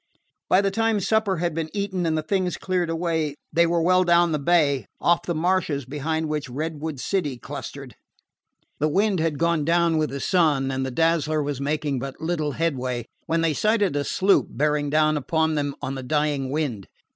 By the time supper had been eaten and the things cleared away, they were well down the bay, off the marshes behind which Redwood City clustered. The wind had gone down with the sun, and the Dazzler was making but little headway, when they sighted a sloop bearing down upon them on the dying wind.